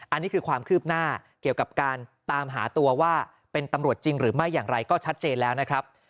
อันนี้คือความคืบหน้าเกี่ยวกับการตามหาตัวว่าเป็นตำรวจจริงหรือไม่อย่างไรก็ชัดเจนแล้วนะครับ